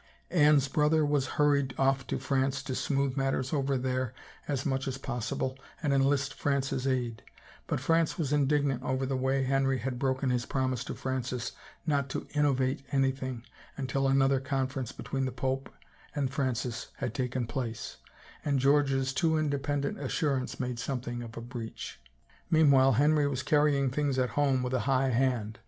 Anne's brother was' hurried off to France to smooth matters over thcire as much as possible and enlist France's aid, but France was indig nant over the way Henry had broken his promise to Francis not to " innovate " anything until another con ference between the pope and Francis had taken place, and George's too independent assurance made something of a breach. Meanwhile Henry was carrying things at home with a high hand.